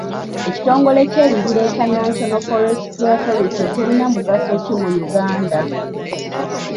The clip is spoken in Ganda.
Ekitongole ky'ebibira ekya National Forestry Authority kirina mugaso ki mu Uganda?